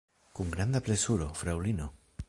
Kun granda plezuro, fraŭlino!